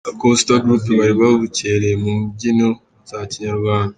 Dacosta group bari babukereye mu mbyino za kinyarwanda.